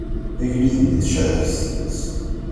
Agellid-nni, tecɛel deg-s tmes.